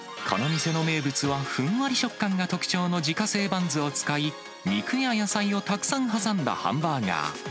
この店の名物は、ふんわり食感が特徴の自家製バンズを使い、肉や野菜をたくさん挟んだハンバーガー。